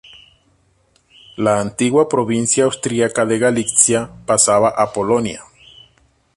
La antigua provincia austriaca de Galitzia pasaba a Polonia.